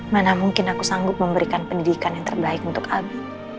mana mungkin aku sanggup memberikan pendidikan yang terbaik untuk albi